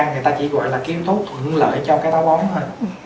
người ta chỉ gọi là cái yếu tố thuận lợi cho cái táo bóng thôi